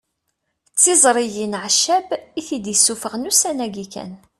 D tiẓrigin Ɛeccab i t-id-isuffɣen ussan-agi kan